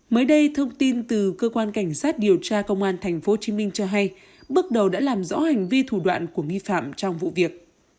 mới đây thông tin từ cơ quan cảnh sát điều tra công an tp hcm cho hay bước đầu đã làm rõ hành vi thủ đoạn của nghi phạm trong vụ việc